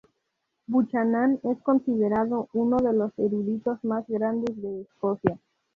Buchanan es considerado uno de los eruditos más grandes de Escocia.